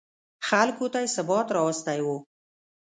خلکو ته یې ثبات راوستی و.